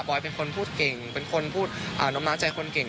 อยเป็นคนพูดเก่งเป็นคนพูดน้อยใจคนเก่ง